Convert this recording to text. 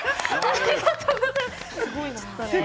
ありがとうございます！